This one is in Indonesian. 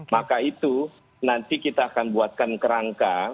maka itu nanti kita akan buatkan kerangka